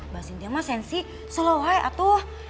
bos indah mah sensi selawai atuh